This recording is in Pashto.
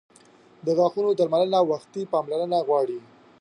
• د غاښونو درملنه وختي پاملرنه غواړي.